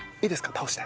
倒して。